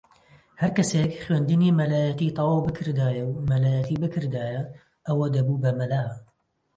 ھەر کەسێک خوێندنی مەلایەتی تەواو بکردایە و مەلایەتی بکردایە ئەوە دەبوو بە مەلا